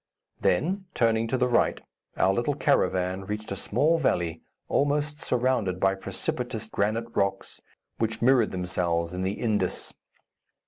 Then, turning to the right, our little caravan reached a small valley, almost surrounded by precipitous granite rocks, which mirrored themselves in the Indus.